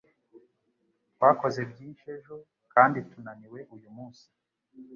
Twakoze byinshi ejo kandi tunaniwe uyu munsi.